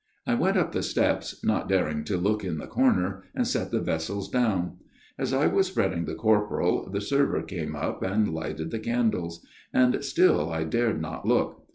I went up the steps, not daring to look in the corner, and set the vessels down. As I was spreading the corporal, the server came up and lighted the candles. And still I dared not look.